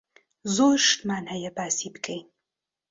زۆر شتمان هەیە باسی بکەین.